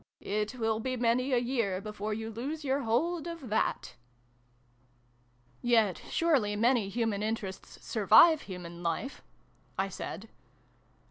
It will be many a year before you lose your hold of that" " Yet surely many human interests survive human Life ?" I said.